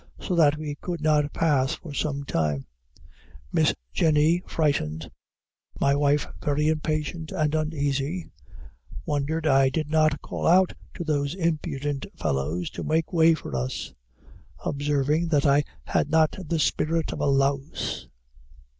so that we could not pass for some time Miss Jenny frightened my wife very impatient and uneasy wondered I did not call out to those impudent fellows to make way for us; observing that I had not the spirit of a louse.